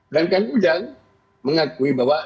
dan kan ujang mengakui bahwa